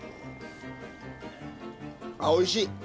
あおいしい！